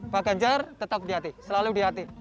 pak ganjar tetap di hati selalu di hati